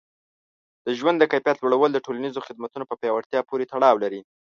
د ژوند د کیفیت لوړول د ټولنیزو خدمتونو په پیاوړتیا پورې تړاو لري.